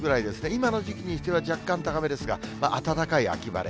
今の時期にしては、若干高めですが、暖かい秋晴れ。